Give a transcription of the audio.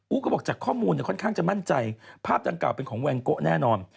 ก็บอกจากข้อมูลเนี่ยค่อนข้างจะมั่นใจภาพดังกล่าเป็นของแวนโกะแน่นอน